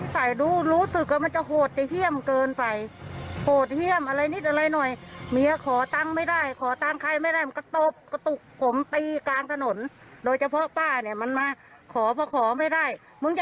ไปจนเลือดออกเป็นนิ่มเลย